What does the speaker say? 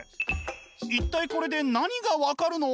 一体これで何が分かるの？